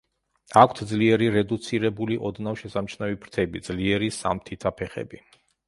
აქვთ ძლიერ რედუცირებული, ოდნავ შესამჩნევი ფრთები, ძლიერი, სამთითა ფეხები.